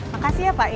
makasih ya pak ya